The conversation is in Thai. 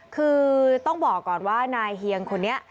คือต้องบอกก่อนว่านายเฮียงคนนี้